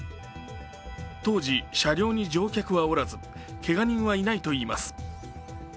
当時、車両に乗客はおらず、けが人はいないといいます。